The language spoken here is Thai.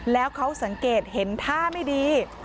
แล้วเขาสังเกตเห็นท่าไม่ดี